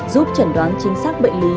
giúp chẩn đoán chính xác bệnh lý